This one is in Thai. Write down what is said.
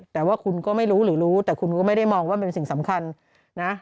แต่ว่าคุณก็ไม่รู้หรือรู้แต่คุณก็ไม่ได้มองว่ามันเป็นสิ่งสำคัญนะ